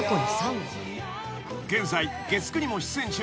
［現在月９にも出演中］